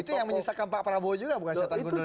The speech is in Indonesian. itu yang menyisakan pak prabowo juga bukan setan gundul